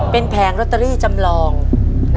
เป็นแผงลอตเตอรี่จำลองนะครับ